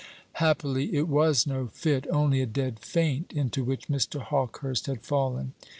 Happily it was no fit, only a dead faint into which Mr. Hawkehurst had fallen.